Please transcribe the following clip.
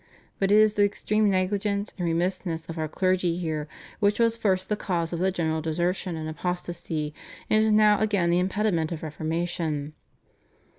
But it is the extreme negligence and remissness of our clergy here which was first the cause of the general desertion and apostasy, and is now again the impediment of reformation."